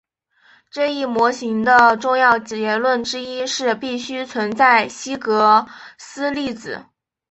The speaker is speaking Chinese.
这一模型的重要结论之一是必须存在希格斯粒子。